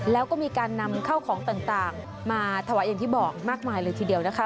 แล้วก็มีการนำเข้าของต่างมาถวายอย่างที่บอกมากมายเลยทีเดียวนะคะ